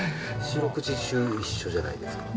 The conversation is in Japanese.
四六時中一緒じゃないですか。